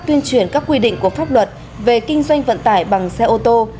tuyên truyền các quy định của pháp luật về kinh doanh vận tải bằng xe ô tô